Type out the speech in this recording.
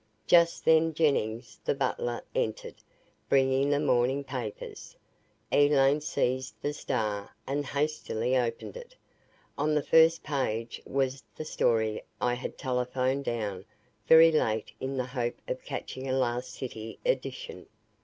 Just then Jennings, the butler, entered, bringing the morning papers. Elaine seized the Star and hastily opened it. On the first page was the story I had telephone down very late in the hope of catching a last city edition.